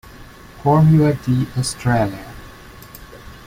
Formula D Australia.